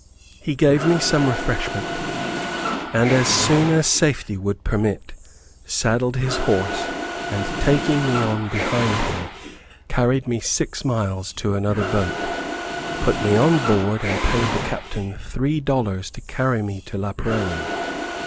He gave me some refreshment, and as soon as safety would permit, saddled his horse, and taking me on behind him, carried me six miles to another boat, put me on board, and paid the captain three dollars to carry me to Laprairie.